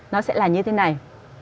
nó sẽ là như thế này